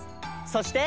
そして！